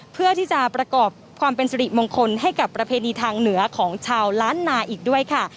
เพื่อที่จะประกอบความเป็นสิริมงคลให้กับประเพณีทางเหนือของชาวล้านนาอีกด้วยค่ะ